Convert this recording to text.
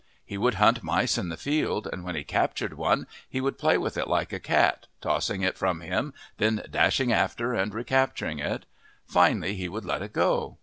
He would hunt mice in the fields, and when he captured one he would play with it like a cat, tossing it from him, then dashing after and recapturing it. Finally, he would let it go.